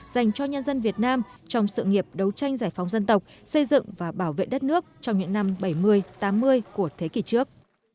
dành cho nhân dân việt nam trong sự nghiệp đấu tranh giải phóng dân tộc xây dựng và bảo vệ đất nước trong những năm bảy mươi tám mươi của thế kỷ trước